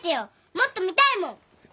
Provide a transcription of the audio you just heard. もっと見たいもん。